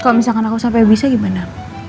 kalau misalkan aku sampai bisa gimana